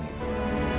alam adalah alam